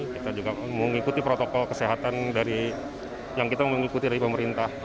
kita juga mengikuti protokol kesehatan yang kita mengikuti dari pemerintah